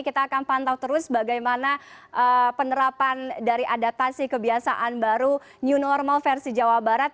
kita akan pantau terus bagaimana penerapan dari adaptasi kebiasaan baru new normal versi jawa barat